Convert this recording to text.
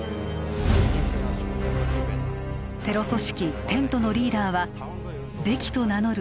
テロ組織テントのリーダーはベキと名乗る